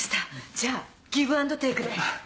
じゃあギブアンドテイクで。